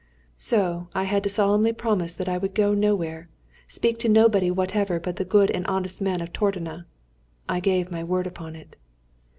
So I had to solemnly promise that I would go nowhere, and speak to nobody whatever but the good and honest men of Tordona. I gave my word upon it.